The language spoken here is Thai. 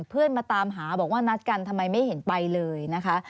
เพื่อนมาตามหาบอกว่านัดกันทำไมไม่เห็นไปเลยนะคะ